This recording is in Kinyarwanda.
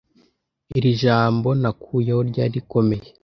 iri jambo nakuyeho ryari rikomeye